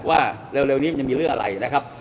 ว่าเร็วนี้จะมีเรื่องอะไรนะครับ